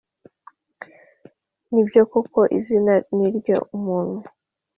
Nibyo koko izina niryo muntu